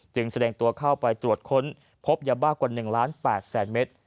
แสดงตัวเข้าไปตรวจค้นพบยาบ้ากว่า๑ล้าน๘แสนเมตร